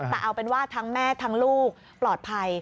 แต่เอาเป็นว่าทั้งแม่ทั้งลูกปลอดภัย